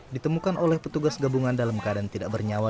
ditemukan oleh petugas gabungan dalam keadaan tidak bernyawa